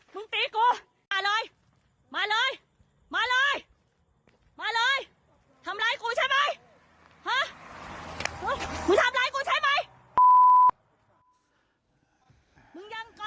เฮ้อมึงทำร้ายกูใช่มั้ย